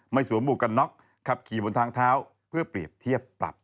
สวมหมวกกันน็อกขับขี่บนทางเท้าเพื่อเปรียบเทียบปรับ